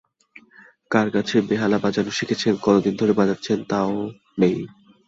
কার কাছে বেহালা বাজানো শিখেছেন, কতদিন ধরে বাজাচ্ছেন তাও নেই।